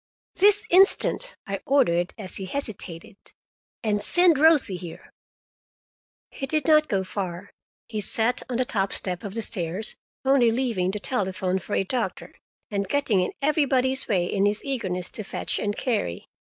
"This instant!" I ordered, as he hesitated. "And send Rosie here." He did not go far. He sat on the top step of the stairs, only leaving to telephone for a doctor, and getting in everybody's way in his eagerness to fetch and carry.